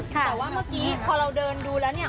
แต่ว่าเมื่อกี้พอเราเดินดูแล้วเนี่ย